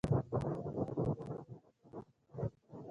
دوکاندار د پېرودونکي باور نه ماتوي.